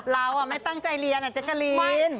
เราไม่ตั้งใจเรียนแจ๊กกะลีน